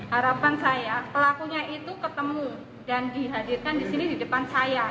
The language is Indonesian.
harapan saya pelakunya itu ketemu dan dihadirkan di sini di depan saya